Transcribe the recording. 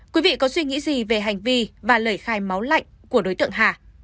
quý vị có suy nghĩ gì về hành vi và lời khai máu lạnh của đối tượng hà